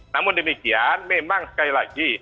namun demikian memang sekali lagi